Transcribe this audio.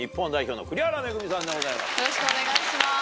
よろしくお願いします